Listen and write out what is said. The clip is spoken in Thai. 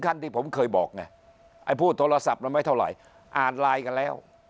ท่านที่ผมเคยบอกไงไอ้พูดโทรศัพท์มันไม่เท่าไหร่อ่านไลน์กันแล้ว